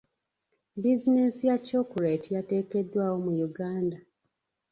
Buzinensi ya chocolate yateekeddwawo mu Uganda.